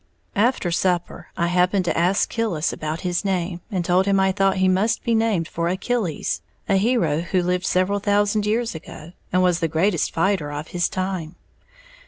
After supper I happened to ask Killis about his name, and told him I thought he must be named for Achilles, a hero who lived several thousand years ago, and was the greatest fighter of his time.